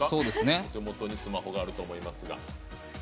お手元にスマホがあると思いますが。